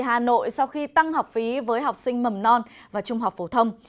hà nội sau khi tăng học phí với học sinh mầm non và trung học phổ thông